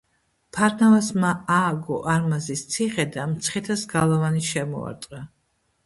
ფარნავაზმა ააგო არმაზის ციხე და მცხეთას გალავანი შემოარტყა.